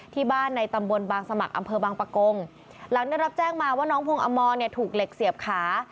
ที่บ้านในตำบลบางสมัครอำเภอบางปะกงหลังได้รับแจ้งมาว่าน้องพวงอมรเนี่ยถูกเหล็กเสียบขา